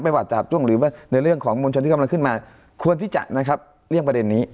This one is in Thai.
ไปหวัดจากตรงหรือว่าในเรื่องของมงชลที่กำลังขึ้นมาควรที่จะเรียงประเด็นนี้